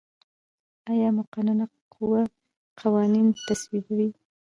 آیا مقننه قوه قوانین تصویبوي؟